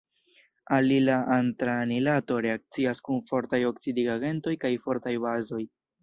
Alila antranilato reakcias kun fortaj oksidigagentoj kaj fortaj bazoj.